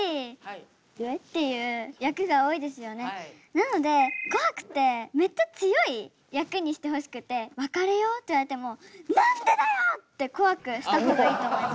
なので怖くてめっちゃ強い役にしてほしくて別れようって言われても「何でだよ！」って怖くした方がいいと思います。